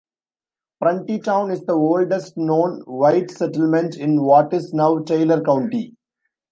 Pruntytown is the oldest known white settlement in what is now Taylor County.